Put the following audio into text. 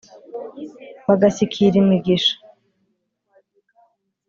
bagashyikira imigisha.